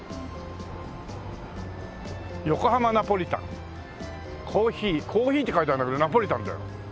「横浜ナポリタン」「珈琲」珈琲って書いてあるんだけどナポリタンだよ。